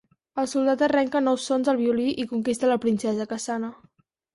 El soldat arrenca nous sons al violí i conquista la princesa, que sana.